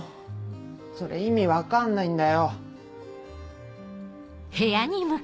それ意味分かんないんだよ。